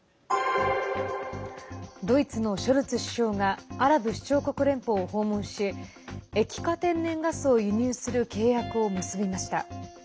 ドイツのショルツ首相がアラブ首長国連邦を訪問し液化天然ガスを輸入する契約を結びました。